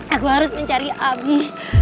aku harus mencari abi